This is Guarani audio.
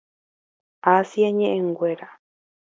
Asia ñe'ẽnguéra.